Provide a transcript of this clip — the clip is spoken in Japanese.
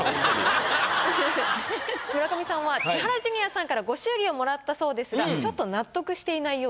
村上さんは千原ジュニアさんからご祝儀をもらったそうですがちょっと納得していないようです。